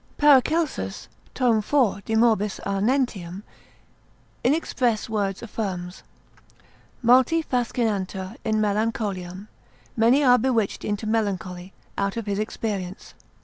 Paracelsus, Tom. 4. de morbis amentium, Tract. 1. in express words affirms; Multi fascinantur in melancholiam, many are bewitched into melancholy, out of his experience.